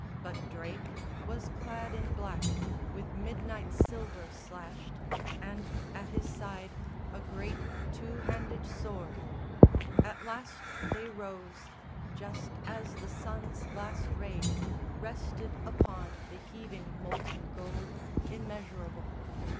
But Drake Was clad in black, with midnight silver slashed, And, at his side, a great two handed sword. At last they rose, just as the sun's last rays Rested upon the heaving molten gold Immeasurable.